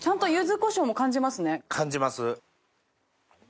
感じます。